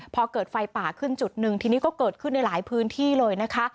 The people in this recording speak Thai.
พอเกิดไฟป่าขึ้นจุดหนึ่งทีนี้ก็เกิดขึ้นในหลายพื้นที่เลยนะคะ